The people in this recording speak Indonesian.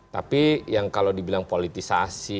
tapi yang kalau dibilang politisasi